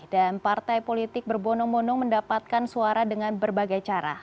dan partai politik berbonong bonong mendapatkan suara dengan berbagai cara